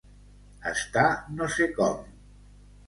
Estar no sé com.